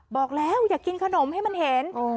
บอกแล้วอย่ากินขนมให้มันเห็น